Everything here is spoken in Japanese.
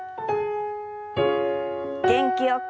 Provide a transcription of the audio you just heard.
元気よく。